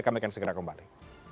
kami akan segera kembali